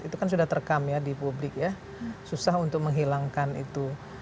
itu kan sudah terekam ya di publik ya susah untuk menghilangkan itu